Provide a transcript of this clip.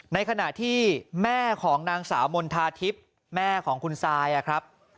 ในขณะที่แม่ของนางสาวมณฑาทิพย์แม่ของคุณซายครับ